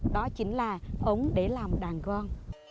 đó chính là ống để làm đàn gong